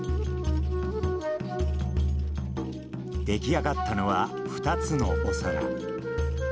出来上がったのは２つのお皿。